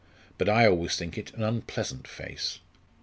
But I always think it an unpleasant face."